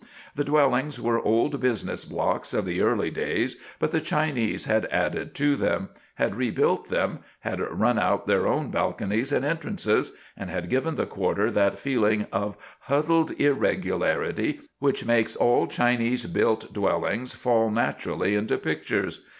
The dwellings were old business blocks of the early days; but the Chinese had added to them, had rebuilt them, had run out their own balconies and entrances, and had given the quarter that feeling of huddled irregularity which makes all Chinese built dwellings fall naturally into pictures.